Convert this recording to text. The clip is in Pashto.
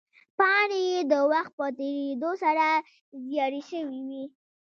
پاڼې یې د وخت په تېرېدو سره زیړې شوې وې.